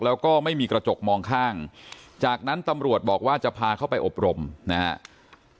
แล้วก็ไม่มีกระจกมองข้างจากนั้นตำรวจบอกว่าจะพาเข้าไปอบรมนะครับ